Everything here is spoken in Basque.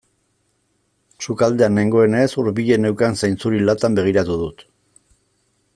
Sukaldean nengoenez hurbilen neukan zainzuri latan begiratu dut.